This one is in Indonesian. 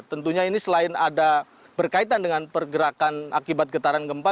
tentunya ini selain ada berkaitan dengan pergerakan akibat getaran gempa